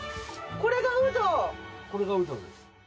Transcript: これがウドです。